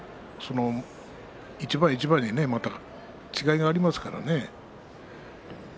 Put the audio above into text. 一番一番にまた違いがありますからね。